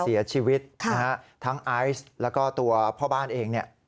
เสียชีวิตนะฮะทั้งไอซ์แล้วก็ตัวพ่อบ้านเองเนี่ย